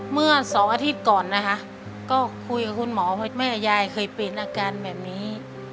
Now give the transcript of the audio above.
เมื่อสองอาทิตย์ก่อนนะคะก็คุยกับคุณหมอว่าแม่ยายเคยเป็นอาการแบบนี้